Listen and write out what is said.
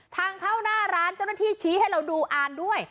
ทางเข้าหน้าร้านเจ้าหน้าที่ชี้ให้เราดูอ่านด้วย